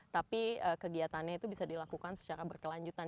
tapi kegiatannya itu bisa dilakukan secara berkelanjutan